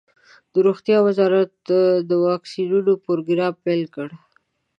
د روغتیا وزارت د واکسینونو پروګرام پیل کړ.